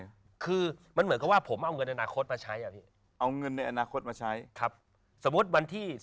ก็คือมันดีในเรื่องของการงาน